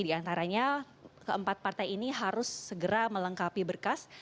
di antaranya keempat partai ini harus segera melengkapi berkas